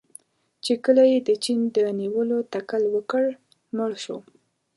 چې کله یې د چین د نیولو تکل وکړ، مړ شو.